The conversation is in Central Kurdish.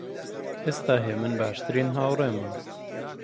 ئێستا هێمن باشترین هاوڕێمە.